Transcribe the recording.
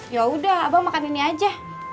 ya udah abang makan ini aja